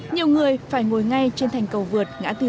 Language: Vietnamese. nhiều người phải ngồi ngay trên thành cầu vượt ngã tư